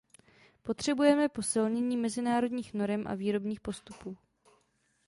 Potřebujeme posilnění mezinárodních norem a výrobních postupů.